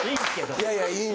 いやいやいい。